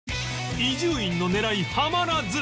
伊集院の狙いはまらず！